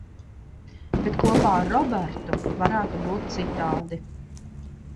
Bet kopā ar Robertu varētu būt citādi.